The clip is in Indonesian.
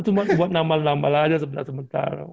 cuma buat nambah nambah aja sebentar sementar